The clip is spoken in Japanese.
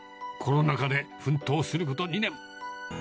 コロナ禍で奮闘すること２年。